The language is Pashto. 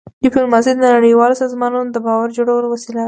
ډيپلوماسي د نړیوالو سازمانونو د باور جوړولو وسیله ده.